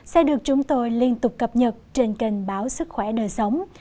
sẽ được chúng tôi liên tục cập nhật trên kênh báo sức khỏe đời sống